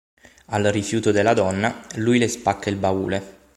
Al rifiuto della donna, lui le spacca il baule.